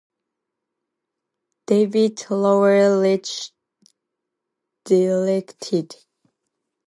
David Lowell Rich directed.